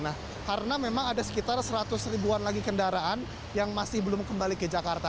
nah karena memang ada sekitar seratus ribuan lagi kendaraan yang masih belum kembali ke jakarta